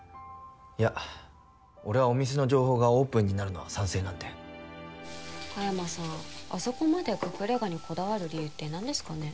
いや俺はお店の情報がオープンになるのは賛成なんで香山さんあそこまで隠れ家にこだわる理由って何ですかね？